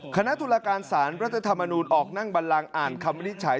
คณะตุลาการสารรัฐธรรมนูลออกนั่งบันลังอ่านคำวินิจฉัย